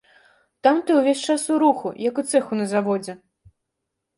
Там ты ўвесь час у руху, як у цэху на заводзе.